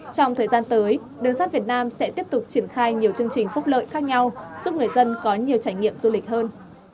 trong thời gian tới đường sắt việt nam sẽ tiếp tục triển khai nhiều chương trình phúc lợi khác nhau giúp người dân có nhiều trải nghiệm du lịch hơn